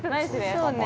◆そうね。